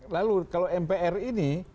lalu kalau mpr ini